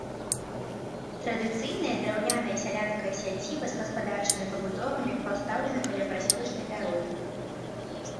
Традыцыйная драўляная сялянская сядзіба з гаспадарчымі пабудовамі пастаўлена каля прасёлачнай дарогі.